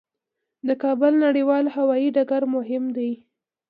د کابل نړیوال هوايي ډګر مهم دی